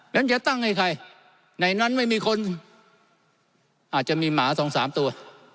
นั้นจะตั้งให้ใครในนั้นไม่มีคนอาจจะมีหมาสองสามตัว